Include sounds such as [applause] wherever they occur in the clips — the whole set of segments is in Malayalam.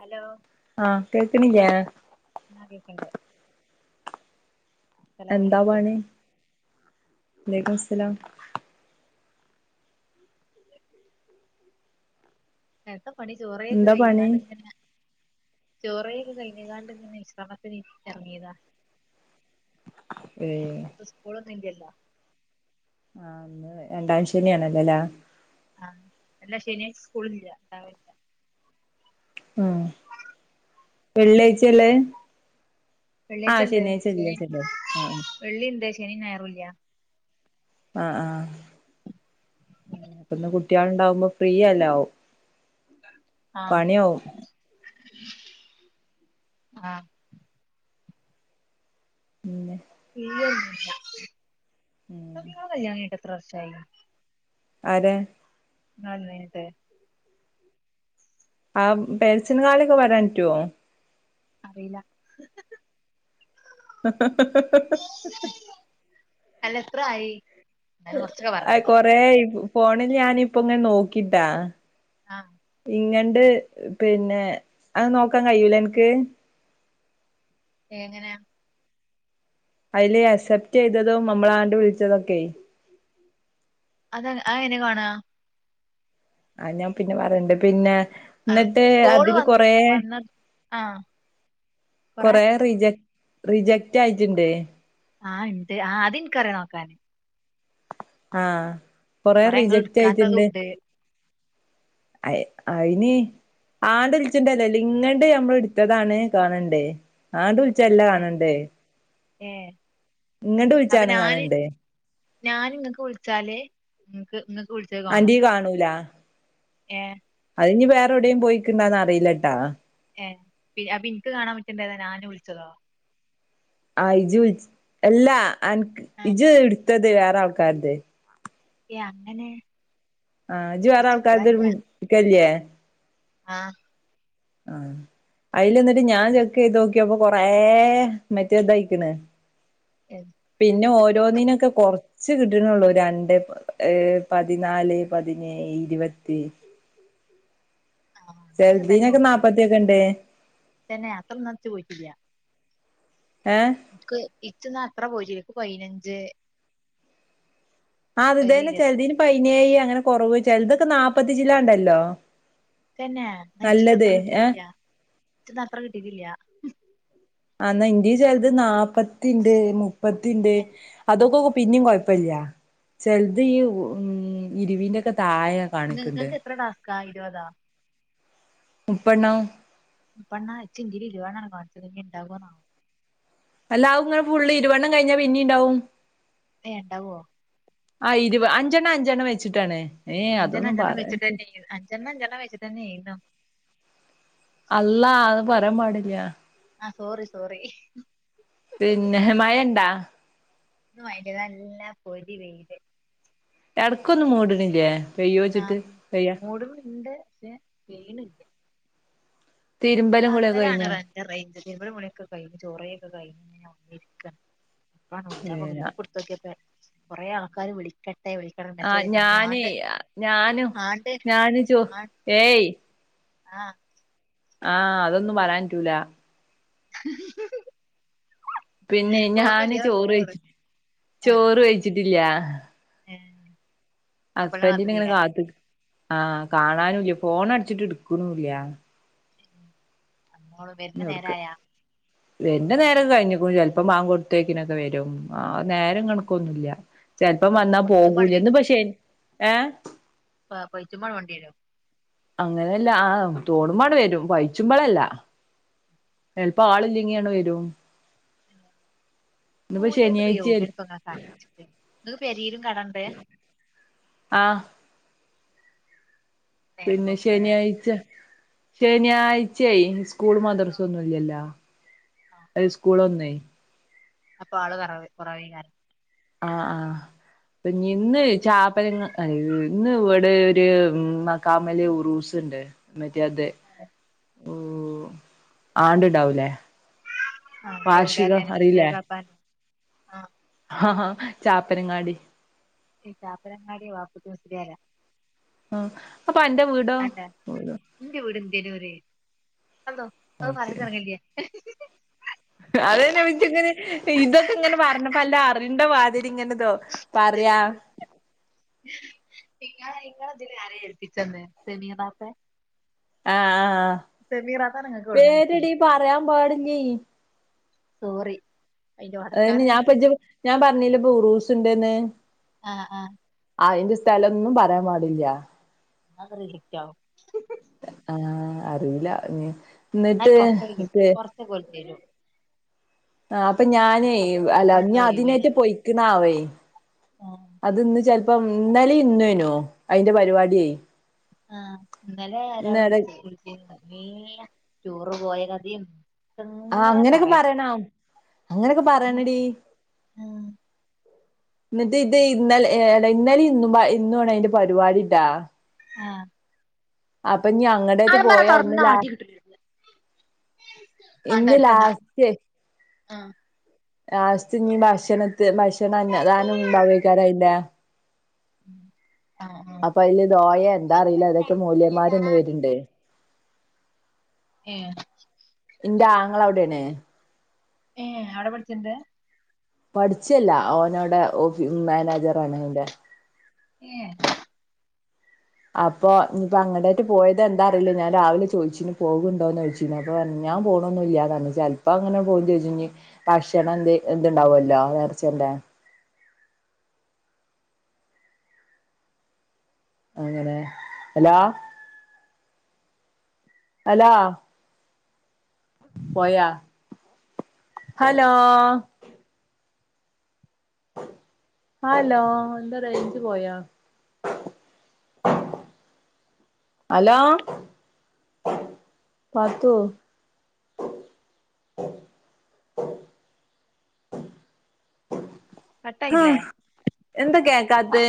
ഹലോ ആ കേക്കണില്ലേ ആ കേക്കണ്ട് എന്താ അസ്സലാമലൈക്കും പണി വലൈക്കും സലാം [unintelligible] പണി ചോറ് വെയി ഒക്കെ എന്താ പണി കയിഞ്ഞ്ങ്ങാടിങ്ങനെ ചോറ് വെയി ഒക്കെ കഴിഞ്ങ്ങാണ്ടിങ്ങനെ വിശ്രമത്തിന് എറങ്ങിയതാ ഏഹ് ഇപ്പൊ സ്കൂളൊന്നും ഇില്ലല്ലോ ആ ഇന്ന് രണ്ടാം ശനി ആണല്ലൊലേ ആ എല്ലാ ശനി സ്കൂളില്ല ഉണ്ടാവലില്ല ആ വെള്ളിയാഴ്ചല്ലേ വെള്ളിയാഴ്ച്ച ഇണ്ട് ശനി ആഹ് വെള്ളിണ്ട് ശനി ഞായറും ഇല്ല ആ ആ അപ്പന്ന് കുട്യാള്ണ്ടാവുമ്പോ ഫ്രീ എല്ലാ ആവും ആ ആ പിന്നെ ഉം നോക്കി ഇങ്ങളെ കല്യാണം കഴിഞ്ഞിട്ട് എ ത്രവർഷായി ആരാ [unintelligible] ആ പേരച്ചിന്ന് [unintelligible] വരാൻ റ്റ്വോ അറീല്ലാ [unintelligible] അല്ല എത്ര ആയി എന്നാലും കുറച്ചൊക്കെ ആ പറഞ്ഞതാ കൊറേ ഈ പൂ ഫോണില് ഞാനിപ്പോങ്ങനെ നോക്കീട്ടാ ആ ഇങ്ങണ്ട് പിന്നെ അത് നോക്കാൻ കയ്യൂലേ അനക്ക് ഏങ്ങനാ അയിലെ അസെപ്റ്റ് എയ്തതും അമ്മളാണ്ട് വിളിച്ചതൊക്കെയേ അത് അയെങ്ങനാ കാണ്വാ ആ ഞാൻ പിന്നെ പറയണ്ട് പിന്നെ ആ ന്നിട്ട് കോള് അതില് വന്ന് കൊറ വന്ന ആ കൊറേ കൊറെ റിജെ റിജക്റ്റായിട്ട്ണ്ട് ആഹ് ഇണ്ട് ആ അത്ൻക്കറിയാം നോക്കാന് ആ കൊറേ ഇങ്ങള് റിജക്റ്റായിട്ട്ണ്ട് ഇട്ക്കാത്തതും ഇണ്ട് അയ് അയ്നി ആണ്ട് ളിച്ചിട്ട്ണ്ടല്ലേല് ഇങ്ങണ്ട് മ്മള് ഇടുത്തതാണ് കാണണ്ടേ ആണ്ട് വി ചെല കാണണ്ടേ ഏ ഇങ്ങണ്ട് വിളിച്ചാന്ന കാണണ്ടേ ഞാൻ ഇങ്ങക്ക് വിളിച്ചാലേ ഇങ്ങക്ക് ആന്റീ കാണൂലാ ഏ അതിനി വേറെ എവിടേം പോയിക്ക്ന്നാ അറിയില്ലാട്ടാ ഏ പ്പി അപ്പിനിക്ക് കാണാൻ പറ്റണ്ടായതാ ഞാൻ വിളിച്ചതോ ആയിജു വിൾ എല്ലാ അനക്ക് ആഹ് ഇജ്ജ് ഇട് ഇത്തത് വേറാൾക്കാര്തെ യേ അങ്ങനെ ആഹ് ജ് വേറെ ഇച്ച് ആൾക്കാര്ത് വിളി ക്കല്യേ ആ ആ അയ്ലിന്നിട്ട് ഞാ ചെക്ക് ചെയ്ത് നോക്കിയപ്പൊ കൊറേ മറ്റേതായിക്കണ് ഏഹ് പിന്നെ ഓരോന്നിനെക്കെ കൊറ ച്ച് കിട്ടണള്ളൂ രണ്ട് ഏർ പതിനാല് പതിനേഴ് ഇരുപത്തി ആഹ ഞ തന്നെ ചെലതിനൊക്കെ ഉള്ളു നാപ്പത്തിയൊക്കെ ഉണ്ട് എന്നന്നെ അത്ര നിത്തി പോയിട്ടില്ല ഏഹ് ഇക്കോയ് ഇച്ചന എത്ര പോയിട്ടിേരിക്കും പതിനഞ്ച് ആ അത്ത തന്നെ ചെറുീന് പന്യ നേഴ് അങ്ങനെ കൊറവ് ചെലത്തൊക്കെ നാല്പ്പത്തിചില്ലാൻ ഒണ്ടല്ലോ തന്നെ നയിച്ചിട്ടത്ര കിട്ടിട്ടില്ല ഇപ്പറ കിട്ടിിക്കില്ല [unintelligible] അന്നാ ഇന്റെ ചിലത് നാല്പ്പത്തിണ്ട് മുപ്പത്തിണ്ട് ഏഹ് അതൊക്കെ പിന്നും കുഴപ്പില്ല ചിലത് ആഹ് ഈ ഉ ഇരുവീന്റെ ഒക്കെ തായ കാണിക്കണ്ട് ക്ക ഇരുപതാ ഉപ്പണോം പണ്ണാച്ച കിീല്ല വേണ കാണിച്ചത്ങ്ങണ്ടാകും ഇനിയെ ണ്ടാ വുന്നാവോ അല്ലാവും ഇങ്ങനെ ഫുളള് ഇരുവണ്ണം കഴിഞ്ഞാ പിന്നീണ്ടാവും അയണ്ടാവോ ആ ഇരുവ അഞ്ചെണ്ണം-അഞ്ചെണ്ണം വെച്ചിട്ടാണ് ഏ അഞ്ചണ്ണം അതൊന്നും അഞ്ചണ്ണം പറയരുത് വെച്ച്ട്ടന്നെ അഞ്ചണ്ണം അഞ്ചണ്ണം വെച്ചട്ടന്നേന്നു അള്ളാ അത് പറയാൻ പാടില്ല ആഹ് സോറി സോറി പിന്നെ മഴയണ്ടാ ഇന്ന് മയല്ല്യ ഇന്ന് പൊരി വെയില് എനടക്കൊന്ന് മൂട്ണില്ലേ പെയ്യോച്ചിട്ട് ആഹ് പെയ്യാ മൂടുന്ന്ണ്ട് പക്ഷെ പെയ്യ്ണില്ല തിരുമ്പലും കുളിയൊക്കെ [unintelligible] ലാണ് കഴിഞ്ഞാ റ [unintelligible] തിരുമ്പലും കുളിയൊക്കെ കയിഞ്ഞ് ചേറേയൊക്കെ കയ്ഞ്ഞു ഇനി ഞാ ഒന്നിരിക്ക അപ്പാണ് വിളിച്ചാപ്പൊ ഏ ഗ്രൂപ്ടത്തോക്ക്യപ്പൊ കുറേ ആൾക്കാര് വിളിക്ക ആഹ് ഞാന് ഞാനും ആണ്ട് ഞാന് ചോ ഏയ് ആഹ് ആഹ് അതൊന്നും പറയാൻ റ്റൂല പിന്നെയ് ഞാന് ഓർമ്മല്ലാതെ ചോറ് പോവാണ് വെയ്ച്ചി ആ ചോറ് വെയ്ച്ചിട്ടില്ല ഏ മാപ്പൾനെ ഹസ്ബന്റിനെ ഇങ്ങനെ കാത്ത്ക്കേക്കാരം കാത്ത്ക്ആ കാ ഞാനൂല്ല്യ ഫോൺ അടിച്ചിട്ട് ഇട് ക്ക് ണൂല്ല്യ മോള് വരുന്ന നേരായാ വര്ണ നേരം കഴിഞ്ഞക്ക്ണു ചെലപ്പം ബാങ്ക് കൊടുത്തേക്കിനൊക്കെ വരും ആ നേരം കണക്കൊന്നുല്ല ചെലപ്പം വന്നാ പൊളിച്ചുമ്പാണ്ട് പോകൂല്ല്യ ഇന്ന്പ്പ ശ ഏ പാ പയ്ച്ചുമ്മാണ്ട് മണ്ടി വരും അങ്ങനെയല്ല ആ തോണുമ്പാണ് വരും പയ്ച്ചുച്ചുമ്പളല്ല ചെലപ്പ ആളില്ല്യങ്കി ആണ് വരും ഇന്ന്പ്പോ പൂരിയായിട്ട് ഉപയോ ശനിയാഴ്ച [unintelligible] നിങ്ങക്ക് പെരിലും കടണ്ട് ആഹ് നേരെ പിന്നെ പോക്കിനല്ലേ ശനിയാഴ്ച ശനിയാഴ്ചയ് സ്കൂളു ആഹ് മാദർസന്നുല്ല്യല്ലോ ആഹ് ഏയ് സ്കൂളോന്നോയ് അപ്പൊ ആള് കറവ് കുറവേയ്‌കാരം ആഹ് ആഹ് അപ്പൊ ഇഞ്ഞ് ഇന്ന് ചാപ്പലങ്ങ ഇന്ന് ഇവിടെ ഒരു മക്കാമല് ഉറൂസ് ഉണ്ട് ത്യതെ ഓ ആണ്ടിണ്ടാവുലേ ആഹ് എവട തന [unintelligible] ആഹ് ആ ആ ചാപ്പരങ്ങാടി [unintelligible] ആ അപ്പൊ അന്റെ വീടോ അതെന്താ ഇന്റെ വീട് എന്തേനൂര് [unintelligible] [unintelligible] ഇങ്ങനെ ഇതൊക്കെ ഇങ്ങനെ പറഞ്ഞപ്പ അറിണ്ട വാതിരി ഇങ്ങനതോ പറയാ ഇങ്ങളെ ഇതിലാര ഏൽപ്പിച്ചന്നെ സമീറാത്തെ ആഹ് ആഹ് ഇങ്ങക്ക് എവിടുന്ന് കിട്ടി പേരിടി പറയാൻ പാടില്ലേയ് സോറി അയിന്റെ അയ്ന് പടച്ചോനെ ഞാപ്പജ്ജ് ഞാൻ പറഞ്ഞില്ല ബുറൂസ് ഉണ്ട്ന്ന് ആഹ് ആഹ് അതിന്റെ സ്ഥലൊന്നും പറയാൻ പാടില്ല [inaudible] ആഹ് അറിയൂല്ല ഞ്ഞ് ന്നാൽ കൊർച്ചൊൽ തെരും കൊറച്ചൊക്കോൽ തെരും ആ അപ്പൊ ഞാനേ എത്താപ്പത് അല്ല നമ്മളുള്ള ഞ് അതിനേറ്റ് ഒഴിവിനൊന്ന് പൊയ്ക്ക്ണാവേ ആഹ് അത് ഇന്ന് ചെൽപം ഇന്നലെ ഇന്ന്വേനൂ അയിന്റെ പരിപാട്യേ ആഹ് ഇന്നലെ ആരാണ് വിൾച്ച [unintelligible] [unintelligible] ടൂറ് പോയ കഥിം ആ അങ്ങനെ ഒക്കെ പറേണം അങ്ങനൊക്കെ പറേണടീ ആഹ് ഇന്നിട്ട് ഇതേയ് ഇന്നൽ ഏ ഇന്നലിറ ഇന്നുംപാ ഇന്നുമാണ് അയിന്റെ പരിപാടിട്ടാ ആഹ് അപ് പ്പ ഞങ്ങടത് ആള് പറ പോയാ ഒന്ന് തൊറന്നാ ലാ അടി കിട്ടൂലേ [inaudible] വേണ്ട ഇന്ന് എടുക്കണ്ട ലാസ്റ്റ് ആഹ് ലാസ്റ്റ് ഇനി ഭക്ഷണത്തി ഭക്ഷണം അന്നദാനം ഉണ്ടാവേക്കാരം അയിന്റെ ആഹ് അപ്പൊ അതില് ദോയെ എന്താ അറീല്ല ആഹ് അതൊക്കെ മൗല്യേമ്മാരിന്ന് വരിണ്ട് ഏ ന്റെ ആങ്ങള അവിടേണ് ഏ അവിടെ പഠ്ച്ച്ണ്ട് പഠിച്ചല്ല ഓനോടെ ഓഫി മാനേജറാണ് അയിന്റെ ഏ അപ്പൊ ഇനിപ്പ അങ്ങടായിട്ട് പോയത് എന്താ അറീല്ല ഞാൻ രാവ്ലെ ചോയ്ചീനു പോകുന്നുണ്ടോന്നോയ്ച്ചീനു അപ്പൊപർഞ്ഞ് ഞാൻ പോണൊന്നുല്യാന്നർഞ്ഞ് ചെൽപങ്ങനെ പോകും ചെജ്ജുഞ്ഞ് പക്ഷണം എന്തെ എന്തുണ്ടാവോല്ലോ നേർച്ചന്റെ അങ്ങനെ അലോ അലോ പോയ ഹലോ ഹാല്ലോ എന്താ റേഞ്ച് പോയാ അലോ പാത്തൂ [unintelligible] കട്ടായില്ലേ എന്തൊക്കെയാ ക്കാത്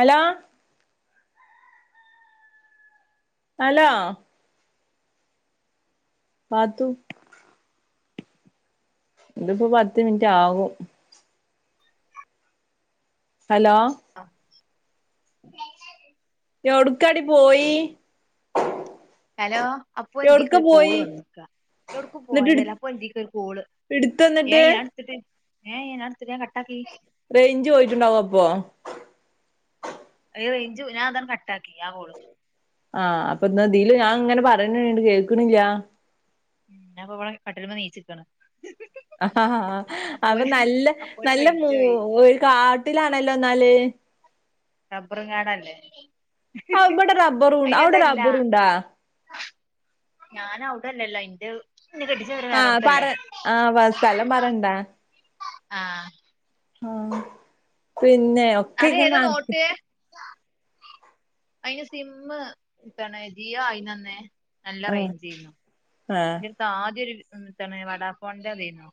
അലോ അലോ പാത്തു ഇതിപ്പോ പത്ത് മിനിറ്റ് ആവും ഹലോ അ ഒടുക്കാടി പോയി ഹലോ അപ്പൊ ഇന്റീക്ക് എവിടുക്ക ഒരു കോള് പോയി വന്നു എടുക്കും എന്നിട്ട് ഇട് പോയതല്ല അപ്പൊ ഇതിക്ക് ഒരു കോള് ഏ ഇടുത്തന്നിട്ട് ഞാൻ എടുത്തിട്ട് ഏയെ നാ റേഞ്ച് പോയിട്ടുണ്ടാവോ അപ്പൊ അയ് റേഞ്ച് ഞാൻ അതങ്ങ് കട്ടാക്കി ആ കോള് ആഹ് അപ്പൊ ഇന്നിതില് ഞാൻ ഇങ്ങനെ പറയണ് കേക്കണില്ല്യ ഞാൻപ്പൊ ഇവിടെ കട്ടില്മ്മേ നീച്ചിക്കണ് ആഹഹാ അപ്പൊ നല്ല അപ്പോൾ നല്ല മു റേഞ്ച് പോയി ഒരു കാട്ടിലാണല്ലോ എന്നാല് റബറുങ്കാടല്ലേ ആ ഇവിടെ റബ്ബറും അവിടെ റബ്ബറുണ്ടാ? ഞാൻ അവിടല്ലല്ലോ ഇന്റെ ഇന്നെ കെട്ടിച്ചവര് ആഹ് പറ വേറെോടത്തല്ലേ ആ വ സ്ഥലം പറണ്ടാ ആഹ് ഉം പി പിന്നെ ഒക്കെ അത് ഇങ്ങനെ ഏതാ മാർക്ക് നോട്ട് അയിന് സിമ്മ് ഇതാണ് ജിയോ ആയിനന്ന് നല്ല ആഹ് റെയ്ഞ്ച് ഏനു ആഹ് ഇന്റട്ത്ത് ആദ്യ ഒരു മ് താണ് വടാ ഫോൺന്റെ [unintelligible]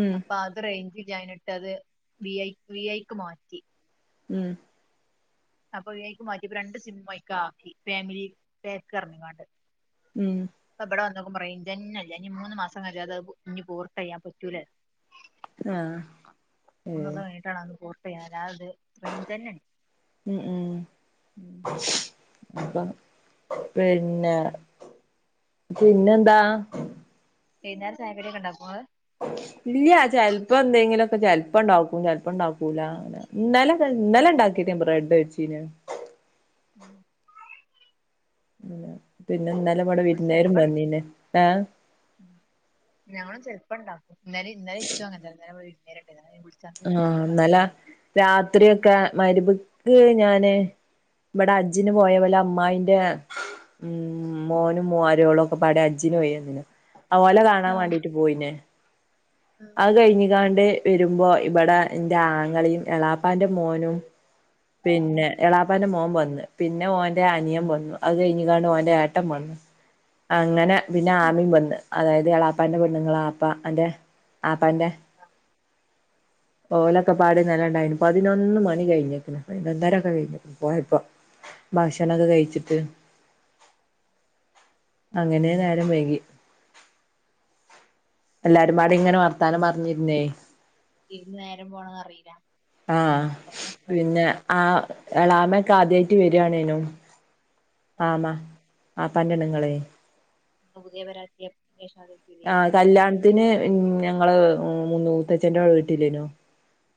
ഉം അപ്പം അത് റെയ്ഞ്ച ഞാന്ട്ടത് വി ഐ വി ഐക്ക് മാറ്റി ഉം അപ്പൊ വി ഐ ക്ക് മാറ്റിയപ്പോ രണ്ട് സിംമ്മ് അയ്ക്കാക്കി ഫാമിലി പാക്ക് പർഞ്കാണ്ട് ഉം പ്പം ഇവിടെ വന്നോക്കുമ്പം റെയ്ഞ്ചന്നെ ഇല്ല ഇനി മൂന്ന് മാസം കൻജാതെ ഞ് പോർട്ട്‌ ചെയ്യാൻ പറ്റൂല ആ ഏ പ്പ ഞാനാത് ഉം ഉം ഉം അപ്പം പിന്നെ പിന്നെന്താ വൈന്നേരം ചായ കടിഒക്കെ ഉണ്ടക്കോ നിങ്ങൾ ഇല്ല്യ ചെൽപ്പം എന്തെങ്കിലുംഒക്കെ ചെൽപ്പം ഇണ്ടാക്കും ചെൽപ്പം ഉണ്ടാക്കൂല ഇന്നലെ ഇന്നലെ ഇണ്ടാക്കിനി ബ്രഡ് കൈചിനോയ് ഉം ഇല്ല പിന്നെ ഇന്നലെ ഇവിടെ ഞങ്ങളും വിരുന്നാരും ചെലപ്പം വന്നിനി ഏ പ്പം ണ്ടാക്കും ഇന്നലെ ഇന്നലെ ഇച്ചും അങ്ങൻതന്നെ ഇന്നലെ വിൾ എരട്ടതനെ ആ ഇന്നലെ രാത്രി ഒക്കെ മഗ്‌രിബ് ക്ക് ഞാന് ഇവിടെ ഹജ്ജിന് പോയ ഒലെ അമ്മായിന്റെ മോനും മരിയോളും ഒക്കെ പാട ഹജ്ജിന് പോയി വന്നിനു ആ ഓലെ കാണാൻ വേണ്ടിട്ട് പോയിന് അത് കഴിഞ്ഞ കാണ്ട് വരുമ്പോ ബടെ ന്റെ ആങ്ങളീം എളാപ്പാന്റെ മോനും പിന്നെ എളാപ്പാന്റെ മോൻ വന്ന് പിന്നെ ഓന്റെ അനിയം വന്നു അത് കഴിഞ്ഞകാണ്ട ഓന്റെ ഏട്ടൻ വന്നു അങ്ങനെ പിന്നെ ആമിം വന്ന് അതായത് എളാപ്പാന്റെ പെണ്ണുങ്ങളോ ആപ്പ ന്റെ ആപ്പാന്റെ ഓലൊക്കെ പാട ഇന്നലെ ണ്ടായിനു പതിനൊന്ന് മണി കഴിഞ്ക്ക്ണ് പതിനൊന്നര കഴിഞ്ഞക്കണ് പോയപ്പോ ഭക്ഷണഒക്കെ കഴിച്ചിട്ട് അങ്ങനെ നേരം വൈകി എല്ലാരുംപട ഇങ്ങനെ വർത്താനം പറഞ്ഞിരുന്നേ ഇരുന്ന് നേരം പോണന്ന് അറിയില്ല ആഹ അതന്നെ പിന്നെ എന്തായിരുന്നു ആ പ്രശ്നം എളാമക്കെ ആദ്യ വരിയാണേനോ ആപ്പാന്റെ പെണ്ണുങ്ങള് ഇപ്പം പുതിയ പേര ആക്കിയപ്പോൾ ആ കല്യാണത്തിന് ഞ ഞങ്ങള് മൂത്തച്ഛൻറടെ വീട്ടില്ലേനോ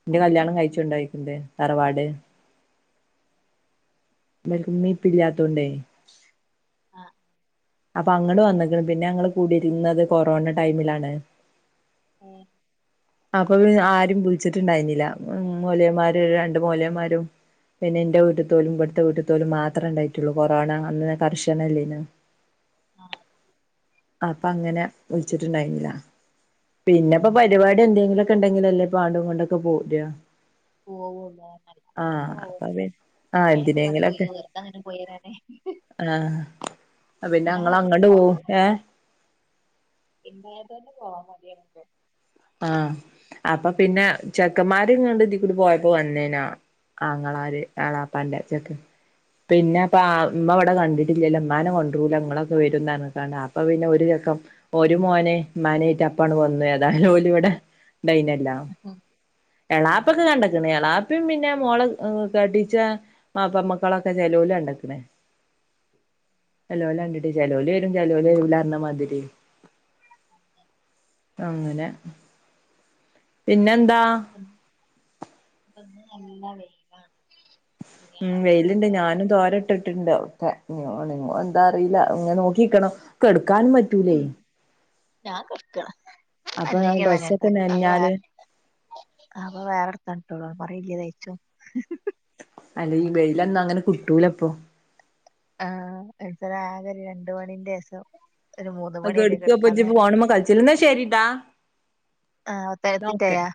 എന്റെ കല്യാണം കഴിച്ചുകോണ്ടായിരിക്കുന്നുന്നത് തറവാട് ഇവർക്ക് ഉമ്മിൻ ഉപ്പയും ഇല്ലാത്തോണ്ട് ആ അപ്പൊ അങ്ങട്ട് വന്നക്ക്ണ് പിന്നെ ഞങ്ങൾകൂടിയിരുന്നത് കൊറോണ ടൈമിലാണ് ഉ അപ്പൊ ആരും വിളിച്ചിട്ടുണ്ടായിരുന്നില്ല മോലയന്മാര് രണ്ട മോലന്മാരും പിന്നെ എന്റെ വീട്ടു തോലും ഇവിടുത്തെ വീട്ടുത്തോലും മാത്രമേ ഇണ്ടായിട്ടുള്ളൂ കൊറോണ അന്ന കർശനല്ലേന്ന ആ അപ്പൊ അങ്ങനെ വിളിച്ചിട്ടുണ്ടായിരുന്നില്ല പിന്നെപ്പൊ പരിപാടി എന്തെങ്കിലും ഉണ്ടെങ്കിലല്ലേ പാണ്ടും കൊണ്ടൊക്കെ പോരാ പോവുള്ളൂ നല്ല വെറുത ആഹ് പോവ അപ്പൊ പി ആഹ് അയിനൊക്കെ പറ പോയി എന്തിനെങ്കിലൊക്കെ വെറുത അങ്ങനെ പോയരാ ന് ആഹ് പിന്നെ ഞങ്ങള് വെർതങ്ങന്നെ അങ്ങോട്ട് പോ പോവും യരാന് ഏഹ് ഇണ്ടായാ തന്നെ പോവാൻ മട്യാണി പ്പം ആന് അപ്പം പിന്നെ ചെക്കന്മാര്ങ്ങണ്ട് ഇതിക്കൂടി പോയപ്പോ വന്നേനാ ആങ്ങളാര് എളാപ്പാന്റെ ച്ചക്ക് പിന്നെ അപ്പൊ ഇമ്മ ഇവിടെ കണ്ടിട്ടില്ലല്ലോ ഇമ്മാനെ കൊണ്ട രൂല ഇങ്ങളൊക്കെ വരും ന്നർഞ്ഞ്ക്കാണ്ട് അപ്പഅപ്പം പിന്നെ ഒരു ചെക്കൻ ഒരു മോനെ ഉമ്മാനേയ്റ്റ് പ്പാണ്ട് വന്ന് ഏതായാലും ഓല് വടെ ഡൈനല്ലാ മടിയാണ് എളാപ്പൊക്കെ കണ്ട് ക്ണ് എളാപ്പിം പിന്നെ മോള കട്ടിച്ച മാപ്പമ്മക്കളൊക്കെ ചെലോ ല് കണ്ട്ക്ക് ണ് ചലോല കണ്ടിട്ട് ചലോ ല് വരും ചലോ ല് വരൂലർഞ്ഞമാതിരി അങ്ങനെ പിന്നെ ന്താ [unintelligible] ഉം തുണിയാളൊക്കെ വെയില്ണ്ട് ഞാനും നല്ലോണം തോര ഇട്ടിട്ടിണ്ട് ഒക്കെ ഒണ്ങ്ങോ എന്താ അറീല്ല ഇങ്ങെ നോക്കിക്കണം കെടുക്കാനും പറ്റൂലേ ഉംഞാൻ കട്ക്കാണ് അപ്പൊ നഞ്ഞെങ്കിൽനനയട്ടെ ഡ്രസ്സൊക്കെ അപ്പം നനഞ്ഞാല് വേറെ അപ്പം വേറെ ട്ത്താണ്ട് ഇട്ടോളും പർ വല്യതായിച്ചോ അല്ല ഈ വെയിലൊന്നും അങ്ങനെ കിട്ടൂലപ്പൊ ആഹ് മൻസനാകൊര് രണ്ടു മണിന്റെസം കെടുക്കാപ്പ ഇജ് ഫോണ് മ ക ൾച്ചിലന്നാ ശരിടാ ആ പത്ത് നോക്കെ മിനിറ്റായാ